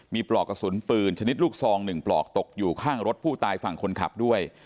มีปลอกกระสุนปืนชนิดลูกซอง๑ปลอกตกอยู่ข้างรถผู้ตายฝั่งคนขับด้วย